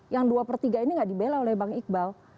yang dua pertiga ini gak dibela oleh bang iqbal